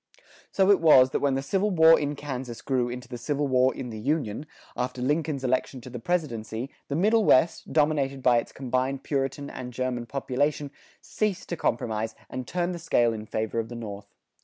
So it was that when the civil war in Kansas grew into the Civil War in the Union, after Lincoln's election to the presidency, the Middle West, dominated by its combined Puritan and German population, ceased to compromise, and turned the scale in favor of the North.